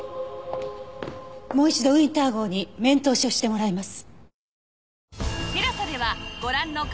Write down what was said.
もう一度ウィンター号に面通しをしてもらいます。